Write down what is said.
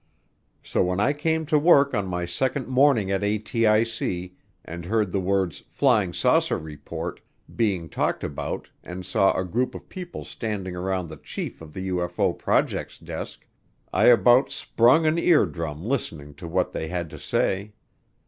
So when I came to work on my second morning at ATIC and heard the words "flying saucer report" being talked about and saw a group of people standing around the chief of the UFO project's desk I about sprung an eardrum listening to what they had to say.